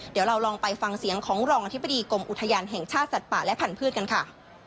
เดี๋ยวเราลองไปฟังเสียงของรองอธิบดีกรมอุทยานแห่งชาติสัตว์ป่าและพันธุ์กันค่ะ